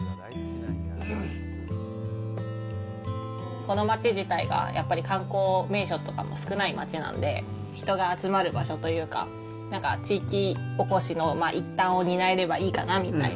この町自体がやっぱり観光名所とかも少ない町なんで、人が集まる場所というか、地域おこしの一端を担えればいいかなみたいな。